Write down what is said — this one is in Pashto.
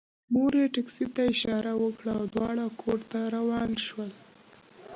مور یې ټکسي ته اشاره وکړه او دواړه کور ته روان شول